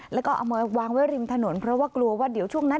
แล้วก็เอามาวางไว้ริมถนนเพราะว่ากลัวว่าเดี๋ยวช่วงนั้น